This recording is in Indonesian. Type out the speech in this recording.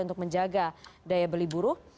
untuk menjaga daya beli buruh